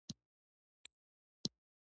پکتیا د جګو غرو وطن ده .